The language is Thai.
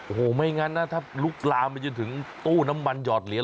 โอ้โหไม่งั้นนะถ้าลุกลามไปจนถึงตู้น้ำมันหอดเหลีย